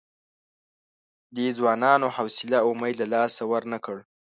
دې ځوانانو حوصله او امید له لاسه ورنه کړ.